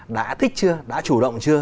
đã thích chưa đã chủ động chưa